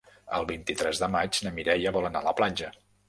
El vint-i-tres de maig na Mireia vol anar a la platja.